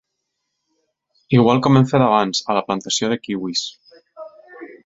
Igual com hem fet abans a la plantació de kiwis!